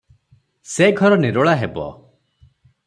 ସେ ଘର ନିରୋଳା ହେବ ।